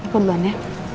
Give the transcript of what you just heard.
gue duluan ya